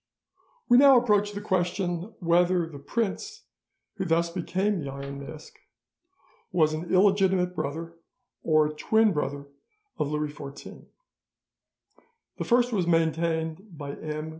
We now approach the question whether the prince who thus became the Iron Mask was an illegitimate brother or a twin brother of Louis XIV. The first was maintained by M.